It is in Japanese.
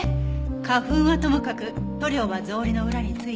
花粉はともかく塗料は草履の裏についていた。